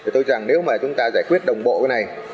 tôi rằng nếu mà chúng ta giải quyết đồng bộ cái này